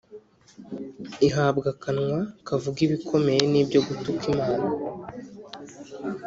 Ihabwa akanwa kavuga ibikomeye n’ibyo gutuka Imana,